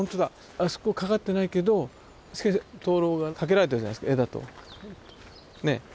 あそこかかってないけど灯籠がかけられてるじゃないですか絵だと。ね。